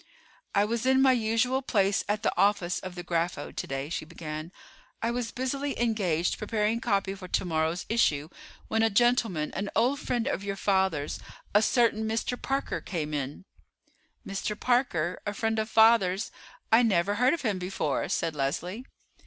"I was in my usual place at the office of the Grapho to day," she began. "I was busily engaged preparing copy for to morrow's issue when a gentleman, an old friend of your father's, a certain Mr. Parker, came in." "Mr. Parker! A friend of father's! I never heard of him before," said Leslie.